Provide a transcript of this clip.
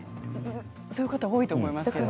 そういう方多いと思います。